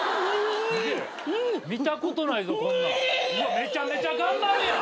めちゃめちゃ頑張るやん。